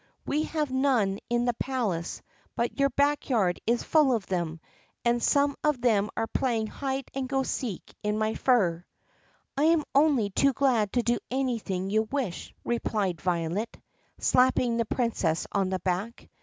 We have none in the palace but your back yard is full of them and some of them are playing hide and go seek in my fur." "I am only too glad to do anything you wish," replied Vio let, slapping the Princess on the back.